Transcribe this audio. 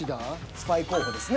スパイ候補ですね。